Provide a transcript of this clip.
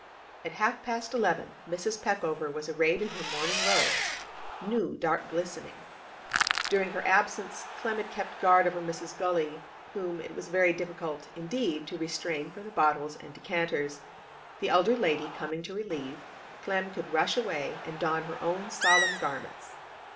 At half past eleven Mrs. Peckover was arrayed in her mourning robes—new, dark glistening. During her absence Clem had kept guard over Mrs. Gully, whom it was very difficult indeed to restrain from the bottles and decanters; the elder lady coming to relieve, Clem could rush away and don her own solemn garments.